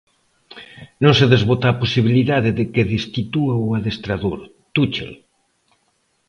Non se desbota a posibilidade de que destitúa o adestrador, Tuchel.